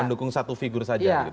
hukum satu figur saja